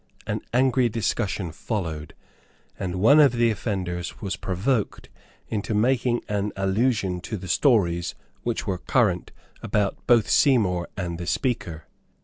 An angry discussion followed; and one of the offenders was provoked into making an allusion to the stories which were current about both Seymour and the Speaker.